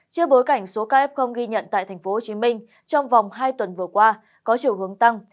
trước bối cảnh số ca f ghi nhận tại tp hcm trong vòng hai tuần vừa qua có chiều hướng tăng